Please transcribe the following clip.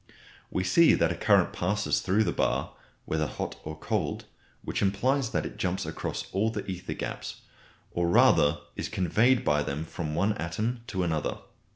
We see that a current passes through the bar, whether hot or cold, which implies that it jumps across all the ether gaps, or rather is conveyed by them from one atom to another.